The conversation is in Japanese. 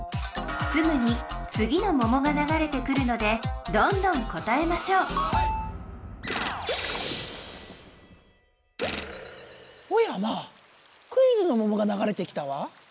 すぐにつぎのももがながれてくるのでどんどん答えましょうおやまあクイズのももがながれてきたわ。